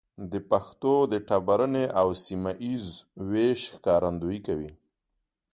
د پښتو د ټبرني او سيمه ييز ويش ښکارندويي کوي.